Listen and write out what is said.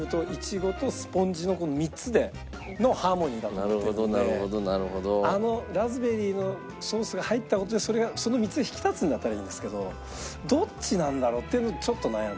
この３つのハーモニーだと思っているのであのラズベリーのソースが入った事でその３つが引き立つんだったらいいんですけどどっちなんだろう？っていうのでちょっと悩んで。